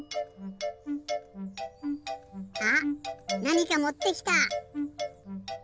あっなにかもってきた！